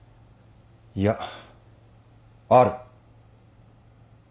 いやある。